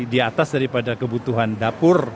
diatas daripada kebutuhan dapur